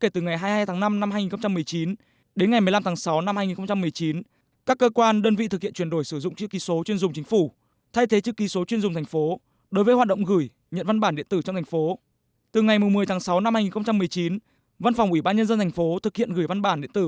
từ ngày một mươi tháng sáu năm hai nghìn một mươi chín văn phòng ủy ban nhân dân thành phố thực hiện gửi văn bản điện tử